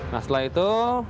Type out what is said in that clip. nah setelah itu